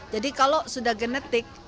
jadi kalau sudah genetik